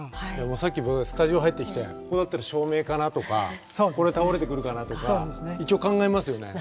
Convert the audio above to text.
さっき僕スタジオ入ってきてここだったら照明かなとかこれ倒れてくるかなとか一応考えますよね。